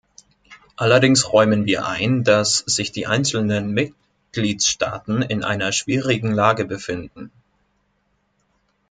Allerdings räumen wir ein, dass sich die einzelnen Mitgliedstaaten in einer schwierigen Lage befinden.